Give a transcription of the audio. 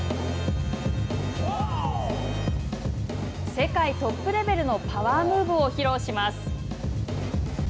世界トップレベルのパワームーブを披露します。